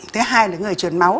thứ hai là người chuyển máu